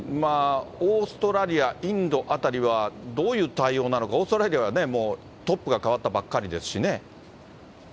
オーストラリア、インドあたりはどういう対応なのか、オーストラリアはトップが代わったばっかりですしね。